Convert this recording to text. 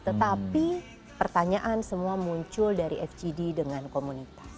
tetapi pertanyaan semua muncul dari fgd dengan komunitas